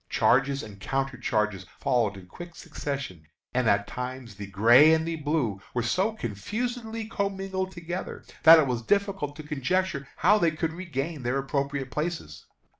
Charges and counter charges followed in quick succession, and at times the "gray" and the "blue" were so confusedly commingled together, that it was difficult to conjecture how they could regain their appropriate places.